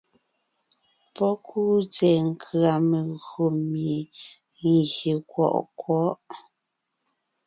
Pɔ́ kúu tsɛ̀ɛ nkʉ̀a megÿò mie gyè kwɔʼ kwɔ̌ʼ.